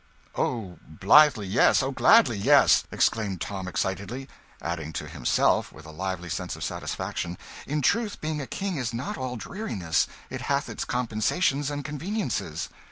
"O blithely, yes! O gladly, yes!" exclaimed Tom excitedly, adding to himself with a lively sense of satisfaction, "In truth, being a king is not all dreariness it hath its compensations and conveniences."